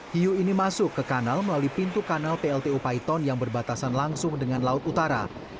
hiu ini masuk ke kanal melalui pintu kanal pltu paiton yang berbatasan langsung dengan laut utara